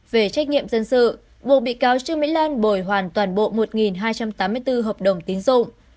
về trách nhiệm dân sự buộc bị cáo trương mỹ lan bồi hoàn toàn bộ một hai trăm tám mươi bốn hợp đồng tín dụng